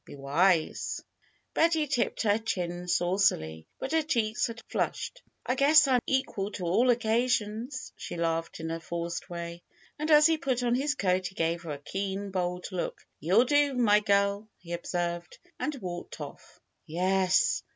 Be wise Betty tipped her chin saucily; but her cheeks had flushed. "I guess Pm equal to all occasions she laughed in a forced way. As he put on his coat he gave her a keen, bold look. "YouTl do, my girl he observed, and walked off. "Yes.